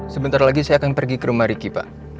sebentar lagi saya akan pergi ke rumah riki pak